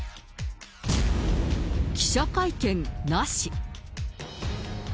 記者会見なし。